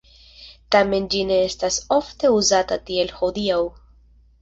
Tamen ĝi ne estas ofte uzata tiel hodiaŭ.